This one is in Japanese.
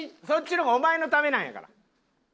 そっちの方がお前のためなんやから。